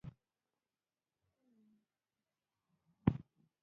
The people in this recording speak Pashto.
لیبرالانو د ځمکې خصوصي کولو تګلاره عملي کړه.